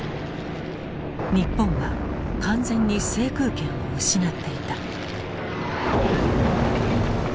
日本は完全に制空権を失っていた。